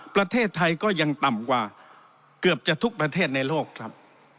ประเทศไทยก็ยังต่ำกว่าเกือบจะทุกประเทศในโลกครับ